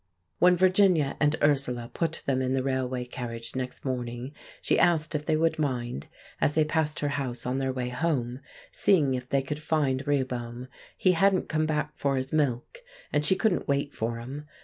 When Virginia and Ursula put them in the railway carriage next morning, she asked if they would mind, as they passed her house on their way home, seeing if they could find Rehoboam; he hadn't come back for his milk, and she couldn't wait for him.